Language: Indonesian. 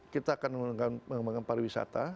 kita akan mengembangkan pariwisata